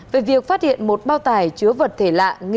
về việc phát hiện một bao tài chứa vật thể lạ nghi